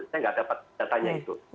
saya nggak dapat datanya itu